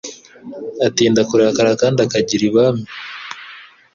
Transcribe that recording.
atinda kurakara kandi akagira ibambe